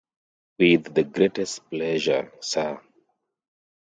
With the greatest pleasure, sir!